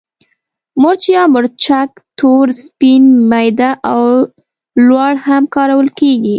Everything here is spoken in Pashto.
مرچ یا مرچک تور، سپین، میده او لواړ هم کارول کېږي.